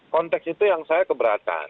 konteks itu yang saya keberatan